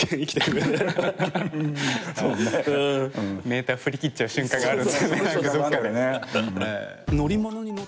メーター振り切っちゃう瞬間がある。